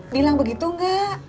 bilang begitu gak